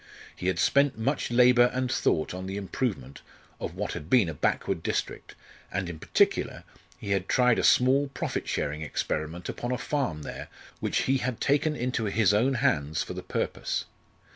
He had spent much labour and thought on the improvement of what had been a backward district, and in particular he had tried a small profit sharing experiment upon a farm there which he had taken into his own hands for the purpose.